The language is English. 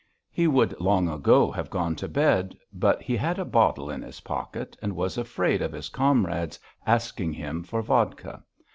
He would long ago have gone to bed, but he had a bottle in his pocket and was afraid of his comrades asking him for vodka.